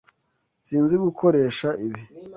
Sinzi gukoresha ibi.